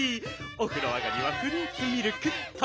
「お風呂あがりはフルーツミルク」っと。